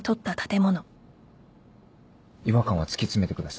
違和感は突き詰めてください。